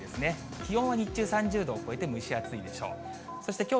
気温は日中３０度を超えて、蒸し暑いでしょう。